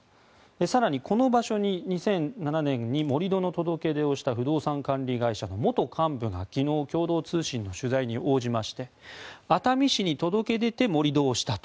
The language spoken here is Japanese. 更に、この場所に２００７年に盛り土の届け出をした不動産管理会社の元幹部が昨日共同通信の取材に応じまして熱海市に届け出て盛り土をしたと。